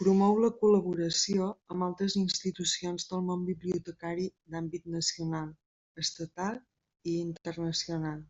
Promou la col·laboració amb altres institucions del món bibliotecari d'àmbit nacional, estatal i internacional.